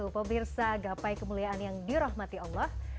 pemirsa gapai kemuliaan yang dirahmati allah